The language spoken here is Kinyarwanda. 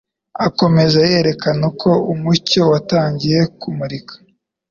akomeza yerekana uko umucyo watangiye kumurika